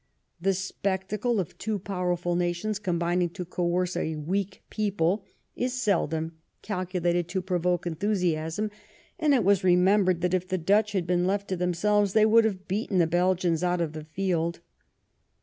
The spectacle of two powerful nations combining to coerce a weak people is seldom calculated to provoke enthu siasm, and it was remembered that if the Dutch had been left to themselves they would have beaten the Bel gians out of the field.